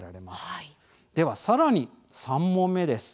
では更に３問目です。